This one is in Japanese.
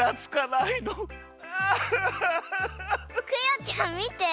クヨちゃんみて！